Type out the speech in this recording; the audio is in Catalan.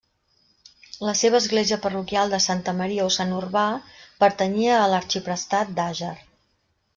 La seva església parroquial de Santa Maria o Sant Urbà pertanyia a l'arxiprestat d'Àger.